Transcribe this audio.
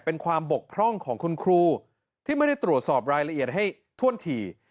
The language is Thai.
เป็นความบกพร่องของคุณครูที่ไม่ได้ตรวจสอบรายละเอียดให้ถ้วนถี่